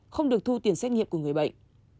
không được thu tiền xét nghiệm của người bệnh